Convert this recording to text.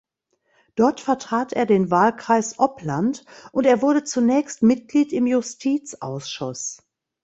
Dort vertrat er den Wahlkreis Oppland und er wurde zunächst Mitglied im Justizausschuss.